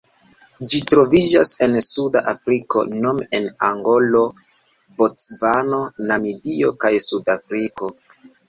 Ĝi troviĝas en Suda Afriko nome en Angolo, Bocvano, Namibio kaj Sudafriko.